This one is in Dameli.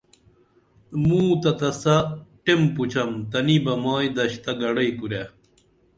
موں تہ تسہ ٹیم پُچم تنی بہ مائی دشتہ گھڑئی کُرے